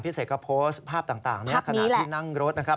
เสกก็โพสต์ภาพต่างขณะที่นั่งรถนะครับ